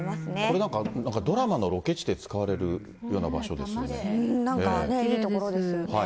これなんか、ドラマのロケ地で使われるような場所ですよね。